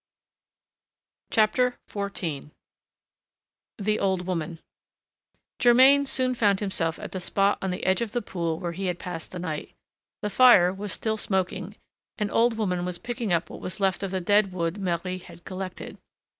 XIV THE OLD WOMAN Germain soon found himself at the spot on the edge of the pool where he had passed the night. The fire was still smoking; an old woman was picking up what was left of the dead wood Marie had collected.